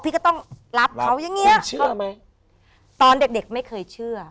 พี่ก็ต้องรับเขาอย่างเงี้ยเชื่อไหมตอนเด็กเด็กไม่เคยเชื่อ